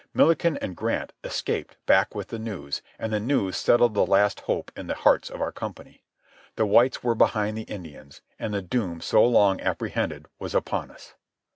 Milliken and Grant escaped back with the news, and the news settled the last hope in the hearts of our company. The whites were behind the Indians, and the doom so long apprehended was upon us.